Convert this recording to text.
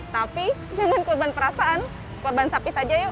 tapi dengan korban perasaan korban sapi saja yuk